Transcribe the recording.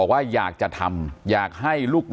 ข้าพเจ้านางสาวสุภัณฑ์หลาโภ